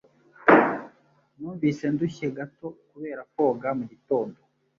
Numvise ndushye gato kubera koga mugitondo.